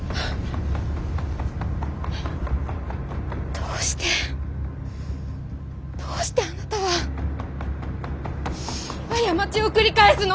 どうしてどうしてあなたは過ちを繰り返すの？